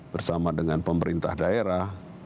bersama dengan pemerintah daerah